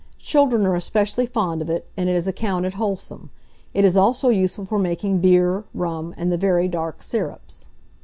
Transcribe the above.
Children are especially fond of it; and it is accounted wholesome. It is also useful for making beer, rum, and the very dark syrups.